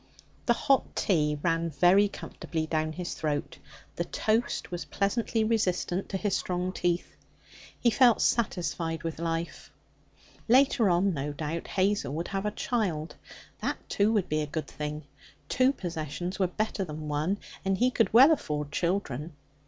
The hot tea ran very comfortably down his throat; the toast was pleasantly resistant to his strong teeth. He felt satisfied with life. Later on, no doubt, Hazel would have a child. That, too, would be a good thing. Two possessions are better than one, and he could well afford children.